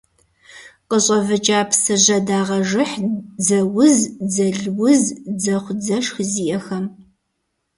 Къыщӏэвыкӏа псыр жьэдагъэжыхь дзэуз, дзэлуз, дзэхъу-дзэшх зиӏэхэм.